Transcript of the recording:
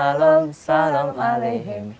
hafen yusalam alehim